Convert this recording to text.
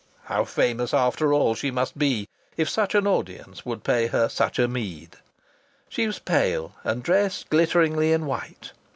How famous, after all, she must be, if such an audience would pay her such a meed! She was pale, and dressed glitteringly in white.